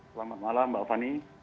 selamat malam mbak fani